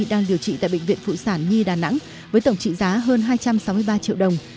đang điều trị tại bệnh viện phụ sản nhi đà nẵng với tổng trị giá hơn hai trăm sáu mươi ba triệu đồng